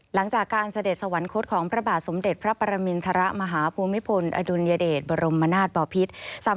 หลังจากการเสด็จสวรรคตของพระบาทสมเด็จพระปรมินทรมาฮภูมิพลอดุลยเดชบรมนาศบอพิษ